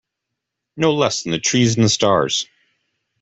No less than the trees and the stars